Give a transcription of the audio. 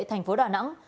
thành phố đà nẵng